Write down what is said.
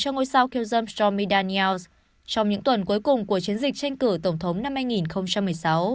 cho ngôi sao kiêu dâm stormy daniels trong những tuần cuối cùng của chiến dịch tranh cử tổng thống năm hai nghìn một mươi sáu